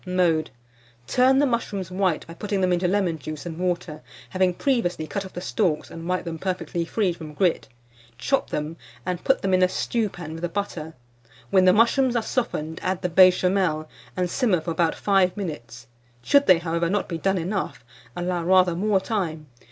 Mode. Turn the mushrooms white by putting them into lemon juice and water, having previously cut off the stalks and wiped them perfectly free from grit. Chop them, and put them in a stewpan with the butter. When the mushrooms are softened, add the Béchamel, and simmer for about 5 minutes; should they, however, not be done enough, allow rather more time.